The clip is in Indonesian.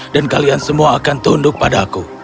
dan kalian semua akan tunduk padaku